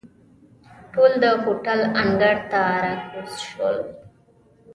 ټول د هوټل انګړ ته را کوز شول.